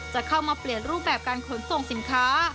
จะเข้ามาเปลี่ยนรูปแบบการขนส่งสินค้า